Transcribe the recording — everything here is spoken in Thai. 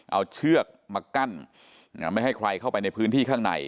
เอาเชือกมากั้นไม่ให้ใครเข้าไปในพื้นที่ข้างใน